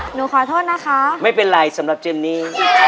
หนูขอโทษนะคะไม่เป็นไรสำหรับเจนนี่